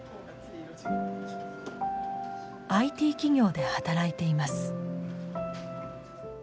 ＩＴ企業で働いています。